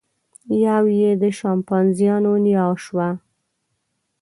یوه یې د شامپانزیانو نیا شوه.